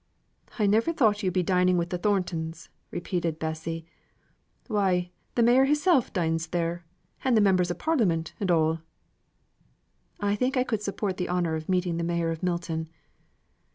"I never thought yo'd be dining with Thorntons," repeated Bessy. "Why, the mayor hissel' dines there; and the members of Parliament and all." "I think, I could support the honour of meeting the mayor of Milton."